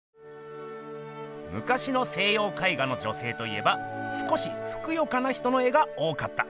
むかしの西よう絵画の女性といえば少しふくよかな人の絵が多かった。